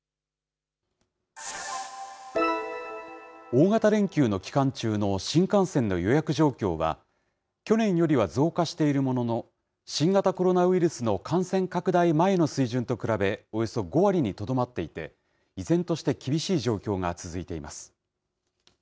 大型連休の期間中の新幹線の予約状況は、去年よりは増加しているものの、新型コロナウイルスの感染拡大前の水準と比べ、およそ５割にとどまっていて、依然として厳しい状況が続いています。